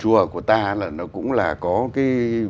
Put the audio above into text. chùa của ta nó cũng là có cái